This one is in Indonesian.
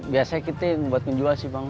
biasanya kita yang buat menjual sih bang